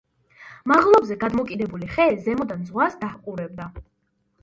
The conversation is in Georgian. მაღლობზე გადმოკიდებული ხე ზემოდან ზღვას დაჰყურებდა.